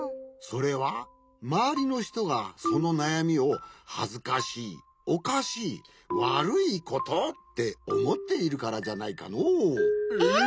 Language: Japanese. それはまわりのひとがそのなやみを「はずかしいおかしいわるいこと」っておもっているからじゃないかのう。